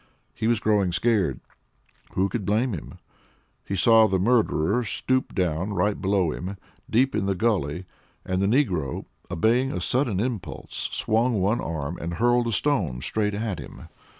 He was growing scared. Who could blame him? He saw the murderer stoop down right below him, deep in the gully; and the negro, obeying a sudden impulse, swung one arm and hurled a stone straight at him.